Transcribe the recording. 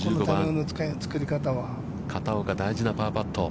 片岡、大事なパーパット。